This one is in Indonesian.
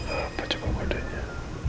apa juga kodenya